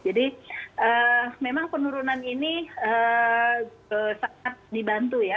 jadi memang penurunan ini sangat dibantu ya